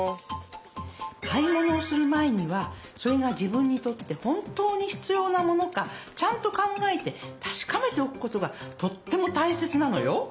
買い物をする前にはそれが自分にとって本当に必要なものかちゃんと考えて確かめておくことがとってもたいせつなのよ。